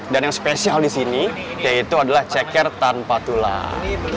dan yang spesial di sini yaitu adalah ceker tanpa tulang